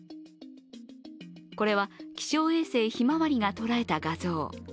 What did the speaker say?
これは、気象衛星ひまわりが捉えた画像。